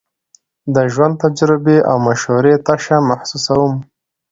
د ژوند تجربې او مشورې تشه محسوسوم.